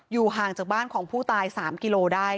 ห่างจากบ้านของผู้ตาย๓กิโลได้